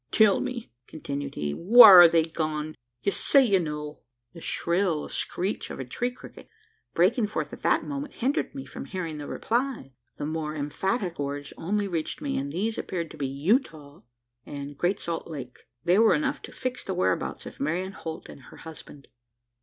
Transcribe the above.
"Tell me!" continued he, "whar are they gone? Ye say ye know!" The shrill screech of a tree cricket, breaking forth at that moment, hindered me from hearing the reply. The more emphatic words only reached me, and these appeared to be "Utah" and "Great Salt Lake." They were enough to fix the whereabouts of Marian Holt and her husband.